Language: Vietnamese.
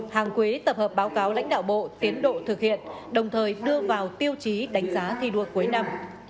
hàng quý tập hợp báo cáo lãnh đạo bộ tiến độ thực hiện đồng thời đưa vào tiêu chí đánh giá thi đua cuối năm